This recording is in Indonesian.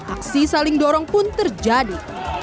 aksi saling dorong pun terjadi